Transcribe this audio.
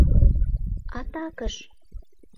— Атакыш!..